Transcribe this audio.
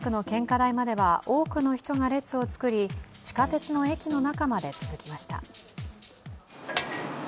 会場近くの献花台までは多くの人が列を作り地下鉄の駅の中まで続きました。